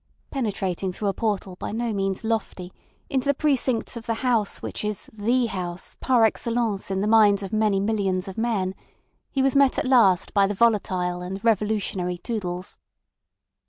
Penetrating through a portal by no means lofty into the precincts of the House which is the House, par excellence in the minds of many millions of men, he was met at last by the volatile and revolutionary Toodles.